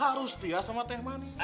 harus dia sama teh manis